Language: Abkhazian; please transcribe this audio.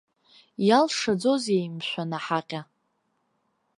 Иалшаӡозеи, мшәан, аҳаҟьа?!